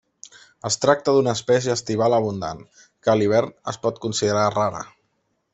Es tracta d'una espècie estival abundant, que a l'hivern es pot considerar rara.